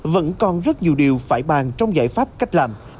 vẫn còn rất nhiều điều phải bàn trong giải pháp cách làm